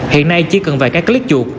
hiện nay chỉ cần vài cái clip chuột